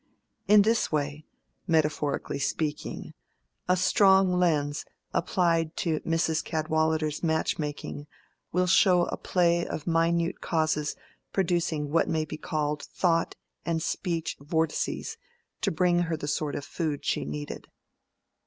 In this way, metaphorically speaking, a strong lens applied to Mrs. Cadwallader's match making will show a play of minute causes producing what may be called thought and speech vortices to bring her the sort of food she needed.